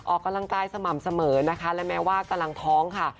ออกกำลังกายสม่ำเสมอนะคะและแม้ว่ากำลังท้องค่ะ